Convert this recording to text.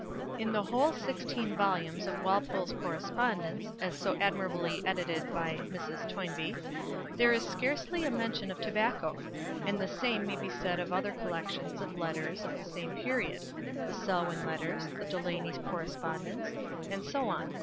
In the whole sixteen volumes of Walpole's correspondence, as so admirably edited by Mrs. Toynbee, there is scarcely a mention of tobacco; and the same may be said of other collections of letters of the same period the Selwyn letters, the Delany correspondence, and so on.